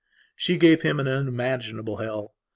She gave him an unimaginable hell.